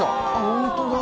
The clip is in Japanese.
本当だ。